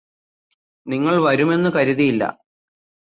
നിങ്ങള് വരുമെന്ന് കരുതിയില്ലാ